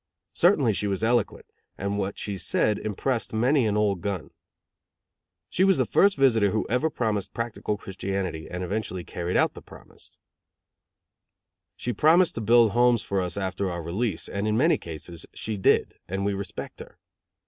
Certainly she was eloquent, and what she said impressed many an old gun. She was the first visitor who ever promised practical Christianity and eventually carried out the promise. She promised to build homes for us after our release; and in many cases, she did, and we respect her.